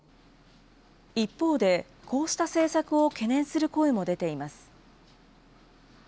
一方で、こうした政策を懸念する声も出ています。